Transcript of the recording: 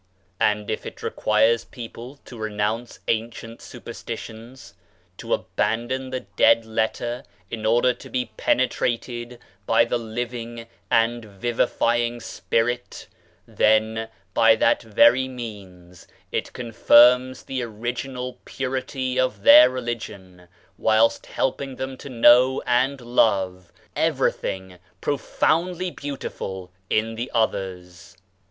And if it requires people to renounce ancient superstitions, to abandon the dead letter in order to be penetrated by the living and vivifying spirit, then by that very means it confirms the original purity of their religion, whilst helping them to know and love everything profoundly beautiful in the others.